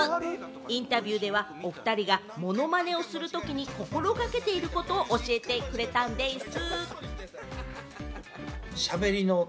インタビューではお２人がモノマネをするときに心がけていることを教えてくれたんでぃす！